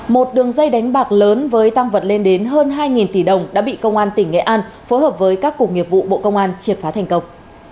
một đường dây đánh bạc lớn với tăng vật lên đến hơn hai tỷ đồng đã bị công an tỉnh nghệ an phối hợp với các cục nghiệp vụ bộ công an triệt phá thành công